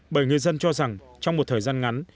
bởi người dân cho rằng trong một thời gian ngắn